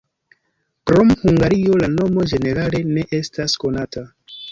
Krom Hungario la nomo ĝenerale ne estas konata.